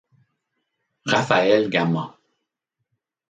Rafael Gama.